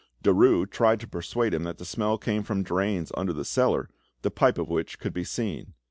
Derues tried to persuade him that the smell came from drains under the cellar, the pipe of which could be seen.